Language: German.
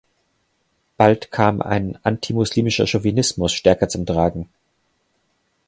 Bald kam ein anti-muslimischer Chauvinismus stärker zum Tragen.